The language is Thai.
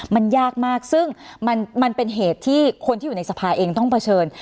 มันยากมากซึ่งมันเป็นเหตุที่คนที่อยู่ในสภาเองต้องเผชิญ